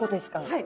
はい。